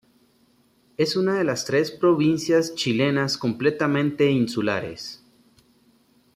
Es una de las tres provincias chilenas completamente insulares.